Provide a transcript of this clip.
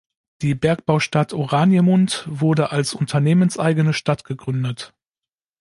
Die Bergbaustadt Oranjemund wurde als unternehmenseigene Stadt gegründet.